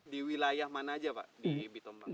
di wilayah mana saja pak di bintombang